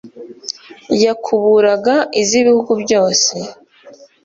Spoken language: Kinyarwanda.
yakuburaga iz’ibihugu byose,